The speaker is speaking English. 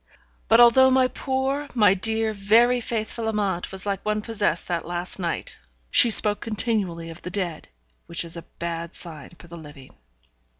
But, although my poor, my dear, very faithful Amante was like one possessed that last night, she spoke continually of the dead, which is a bad sign for the living.